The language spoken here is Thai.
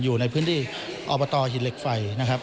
อยู่ในพื้นที่อบตหินเหล็กไฟนะครับ